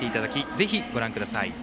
ぜひご覧ください。